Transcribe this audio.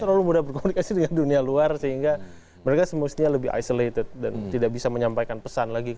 terlalu mudah berkomunikasi dengan dunia luar sehingga mereka semestinya lebih isolated dan tidak bisa menyampaikan pesan lagi